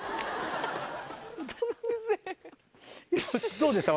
どうでした？